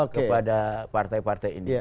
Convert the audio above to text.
kepada partai partai ini